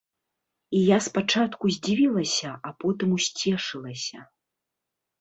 І я спачатку здзівілася, а потым усцешылася.